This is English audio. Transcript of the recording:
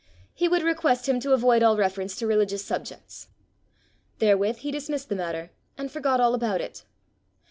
He would request him to avoid all reference to religious subjects! Therewith he dismissed the matter, and forgot all about it.